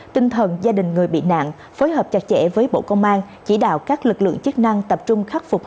tinh thần gia đình người bị nạn phối hợp chặt chẽ với bộ công an